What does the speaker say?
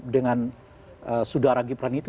dengan saudara gibran itu